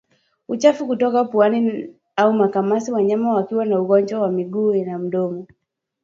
Uchafu kutoka puani au makamasi wanyama wakiwa na ugonjwa wa miguu na midomo